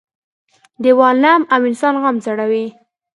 - دیوال نم او انسان غم زړوي.